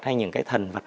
hay những cái thần vật